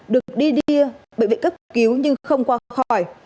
được đi đi bởi vị cấp cứu nhưng không qua khỏi